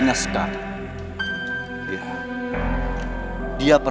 ini tadi mas giau